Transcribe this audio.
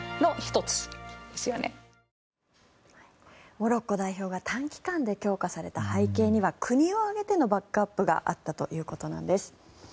モロッコ代表が短期間で強化された背景には国を挙げてのバックアップがあったということなんです。